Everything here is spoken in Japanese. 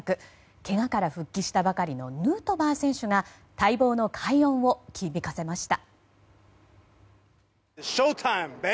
けがから復帰したばかりのヌートバー選手が待望の快音を響かせました。